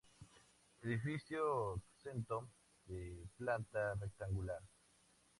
Edificio exento de planta rectangular.